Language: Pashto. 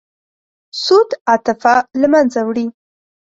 سود عاطفه له منځه وړي.